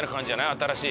新しい。